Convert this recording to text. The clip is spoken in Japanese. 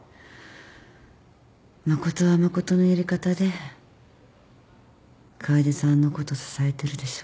誠は誠のやり方で楓さんのこと支えてるでしょ？